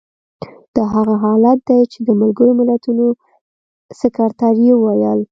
دا هغه حالت دی چې د ملګرو ملتونو سکتر یې وویل.